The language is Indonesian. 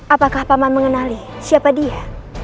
apakah paman mengenali siapa dia